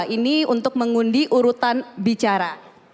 ini untuk mengundi urutan bicara